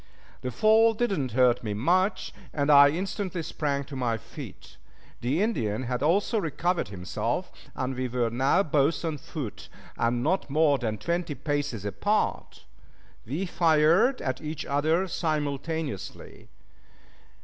The fall did not hurt me much, and I instantly sprang to my feet. The Indian had also recovered himself, and we were now both on foot, and not more than twenty paces apart. We fired at each other simultaneously.